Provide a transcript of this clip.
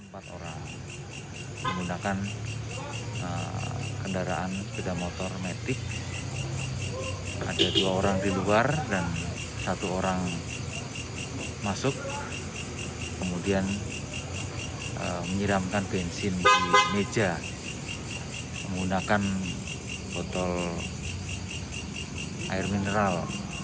pria tersebut menyeramkan bensin di meja menggunakan botol air mineral